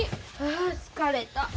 あ疲れた。